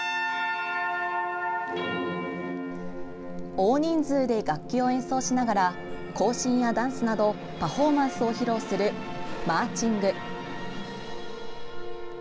大人数で楽器を演奏しながら行進やダンスなどパフォーマンスを披露するマーチング。